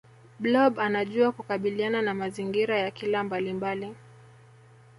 blob anajua kukabiliana na mazingira ya kila mbalimbali